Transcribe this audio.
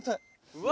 うわ！